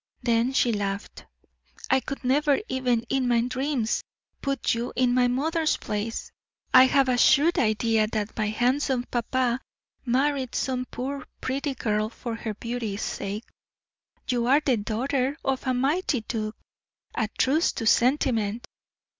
Then she laughed. "I could never, even in my dreams, put you in my mother's place. I have a shrewd idea that my handsome papa married some poor, pretty girl for her beauty's sake you are the daughter of a mighty duke. A truce to sentiment!